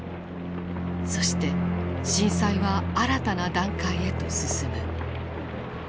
そして震災は新たな段階へと進む。